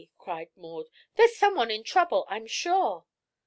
cried Maud; "there's someone in trouble, I'm sure."